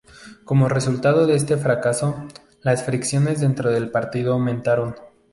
Como resultado de este fracaso, las fricciones dentro del partido aumentaron.